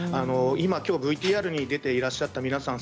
きょうＶＴＲに出ていらっしゃった皆さん